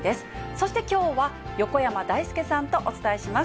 そして、きょうは横山だいすけさんとお伝えします。